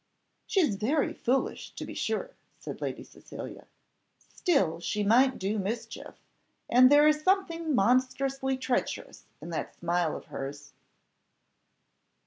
"She is very foolish, to be sure," said Lady Cecilia; "still she might do mischief, and there is something monstrously treacherous in that smile of hers."